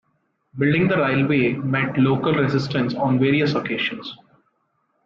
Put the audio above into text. Building the railway met local resistance on various occasions.